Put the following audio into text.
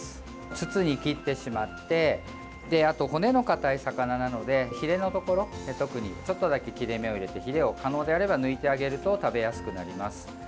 筒に切ってしまってあと骨の硬い魚なのでひれのところに、特にちょっとだけ切れ目を入れてひれを可能であれば抜いてあげると食べやすくなります。